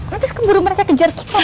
nanti sekemburu mereka kejar kita